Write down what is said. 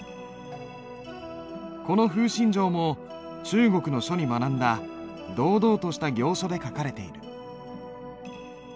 この「風信帖」も中国の書に学んだ堂々とした行書で書かれている。